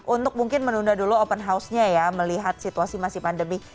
untuk mungkin menunda dulu open house nya ya melihat situasi masih pandemi